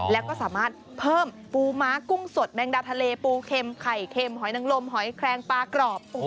แล้วก็สามารถเพิ่มปูม้ากุ้งสดแมงดาทะเลปูเข็มไข่เค็มหอยนังลมหอยแครงปลากรอบ